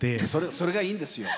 それがいいですよ。